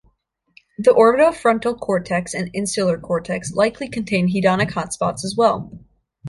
The orbitofrontal cortex and insular cortex likely contain hedonic hotspots as well.